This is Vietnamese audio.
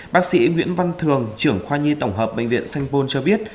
bác sĩ nguyễn văn thường trưởng khoa nhi tổng hợp bệnh viện sanh pôn cho biết